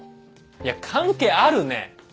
いや関係あるね！